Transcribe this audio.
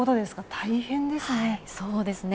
大変ですね。